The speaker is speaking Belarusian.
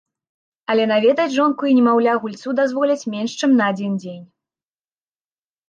Але наведаць жонку і немаўля гульцу дазволяць менш чым на адзін дзень.